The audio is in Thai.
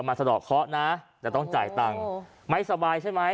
สะดอกเคาะนะจะต้องจ่ายตังค์ไม่สบายใช่ไหม